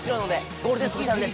ゴールデンスペシャルです。